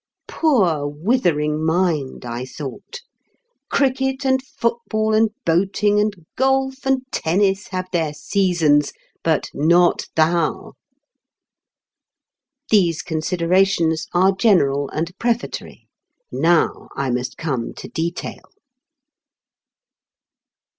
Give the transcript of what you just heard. "Poor withering mind!" I thought. "Cricket, and football, and boating, and golf, and tennis have their 'seasons,' but not thou!" These considerations are general and prefatory. Now I must come to detail.